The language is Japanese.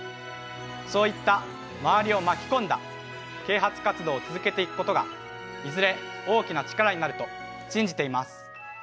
そういった周りを巻き込んだ啓発活動を続けていくことがいずれ大きな力になると信じています。